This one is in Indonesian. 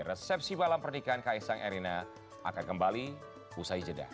resepsi malam pernikahan kaisang erina akan kembali usai jeda